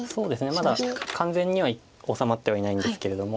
まだ完全には治まってはいないんですけれども。